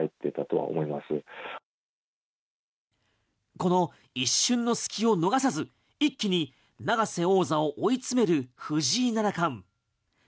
この一瞬の隙を逃さず一気に永瀬王座を追い詰める藤井七冠。